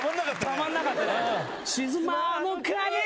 たまんなかったね。